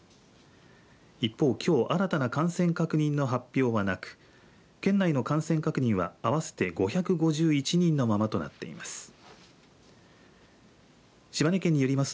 一方、きょう新たな感染確認の発表はなく県内の感染確認は合わせて５５１人のままとなっています。